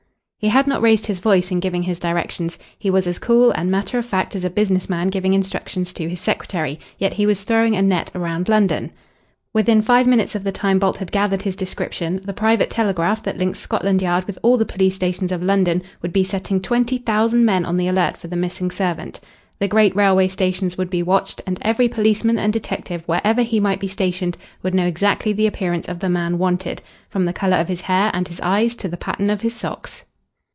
He had not raised his voice in giving his directions. He was as cool and matter of fact as a business man giving instructions to his secretary, yet he was throwing a net round London. Within five minutes of the time Bolt had gathered his description, the private telegraph that links Scotland Yard with all the police stations of London would be setting twenty thousand men on the alert for the missing servant. The great railway stations would be watched, and every policeman and detective wherever he might be stationed would know exactly the appearance of the man wanted, from the colour of his hair and his eyes to the pattern of his socks.